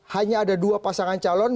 hanya ada dua pasangan calon